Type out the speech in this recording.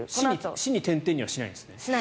「し」に点々はしないんですね。